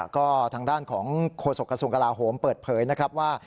ก็ทางด้านของโฆษกระทรวงกลาโหมเปิดเผยนะครับว่า